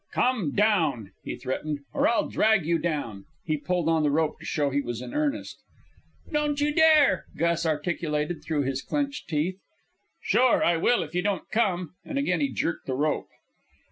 "Come down," he threatened, "or I'll drag you down!" He pulled on the rope to show he was in earnest. "Don't you dare!" Gus articulated through his clenched teeth. "Sure, I will, if you don't come!" Again he jerked the rope.